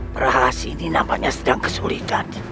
perahasi ini nampaknya sedang kesulitan